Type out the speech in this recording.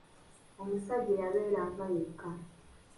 Omusajja eyabeeranga yekka.